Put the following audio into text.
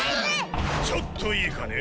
ちょっといいかね？